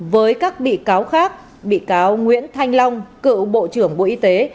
với các bị cáo khác bị cáo nguyễn thanh long cựu bộ trưởng bộ y tế